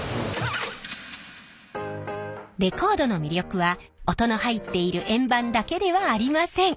レコードの魅力は音の入っている円盤だけではありません。